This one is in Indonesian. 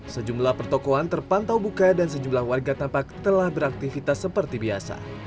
sejumlah pertokohan terpantau buka dan sejumlah warga tampak telah beraktivitas seperti biasa